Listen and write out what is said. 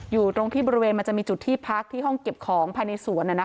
อยู่ตรงที่บริเวณมันจะมีจุดที่พักที่ห้องเก็บของภายในสวน